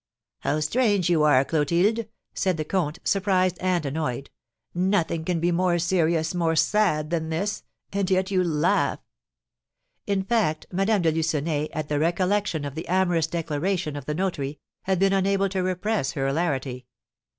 "How strange you are, Clotilde!" said the comte, surprised and annoyed; "nothing can be more serious, more sad than this, and yet you laugh." In fact, Madame de Lucenay, at the recollection of the amorous declaration of the notary, had been unable to repress her hilarity.